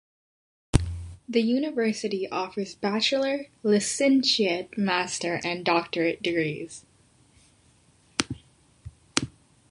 The university offers bachelor, licentiate, master and doctorate degrees.